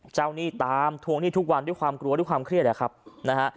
หนี้ตามทวงหนี้ทุกวันด้วยความกลัวด้วยความเครียดนะครับนะฮะ